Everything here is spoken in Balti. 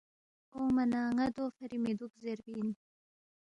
اونگما نہ ن٘ا دو فری مِہ دُوک زیربی اِن